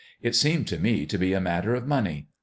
It seemed to me to be a matter of money.